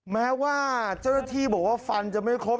แม้ว่าเจ้าหน้าที่บอกว่าฟันจะไม่ครบ